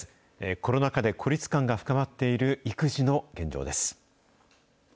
コロナ禍で孤立感が深まっている育児の現状です。